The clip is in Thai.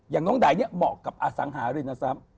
อย่างน้องไดเนี่ยเหมาะกับอสังหารินทรัพย์